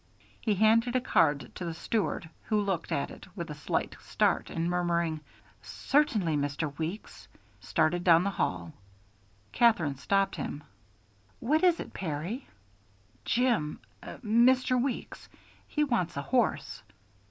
He handed a card to the steward, who looked at it with a slight start, and murmuring, "Certainly, Mr. Weeks," started down the hall. Katherine stopped him. "What is it, Perry?" "Jim Mr. Weeks. He wants a horse."